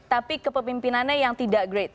tapi kepemimpinannya yang tidak grade